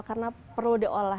karena perlu diolah